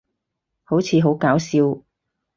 好似好搞笑